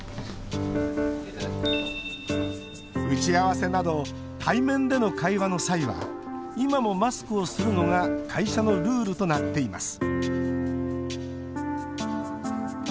打ち合わせなど対面での会話の際は今もマスクをするのが会社のルールとなっています。